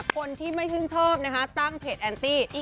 คนที่ไม่ชื่นชอบนะคะตั้งเพจแอนตี้